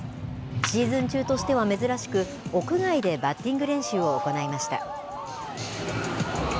シーズン中としては珍しく、屋外でバッティング練習を行いました。